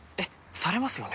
されますよね？